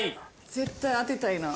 絶対当てたいな。